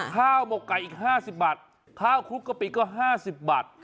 หมกไก่อีก๕๐บาทข้าวคลุกกะปิก็๕๐บาท